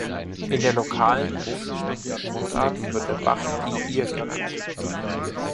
In der lokalen, moselfränkischen Mundart wird der Bach "die Ihr" genannt.